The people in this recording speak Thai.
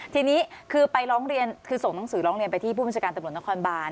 ทีนี้คือไปร้องเรียนคือส่งหนังสือร้องเรียนไปที่ผู้บัญชาการตำรวจนครบาน